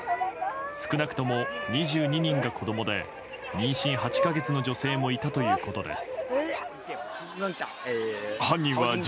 少なくとも２２人が子供で妊娠８か月の女性もいたということです。